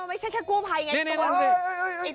เออไม่ใช่แค่กู้พายเนี้ย